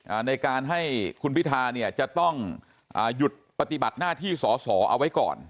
ในการให้คุณพิธาเนี่ยจะต้องอ่าหยุดปฏิบัติหน้าที่สอสอเอาไว้ก่อน